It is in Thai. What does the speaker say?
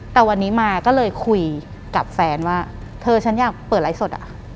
แต่วันนี้มาก็เลยคุยกับแฟนว่าเธอฉันอยากเปิดไลฟ์สดอ่ะ